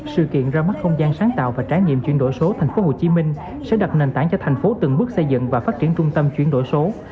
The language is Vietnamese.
sự kiện ra mắt không gian sáng tạo và trải nghiệm chuyển đổi số thành phố hồ chí minh sẽ đặt nền tảng cho thành phố từng bước xây dựng và phát triển trung tâm chuyển đổi số